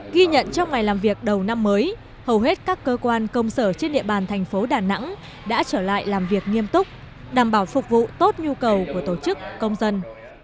ghi nhận trong ngày làm việc đầu năm mới hầu hết các cơ quan công sở trên địa bàn thành phố đà nẵng đã trở lại làm việc nghiêm túc đảm bảo phục vụ tốt nhu cầu của tổ chức công dân